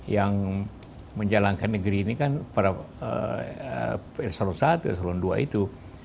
yang menjalankan negeri ini kan para eselon i eselon dua itu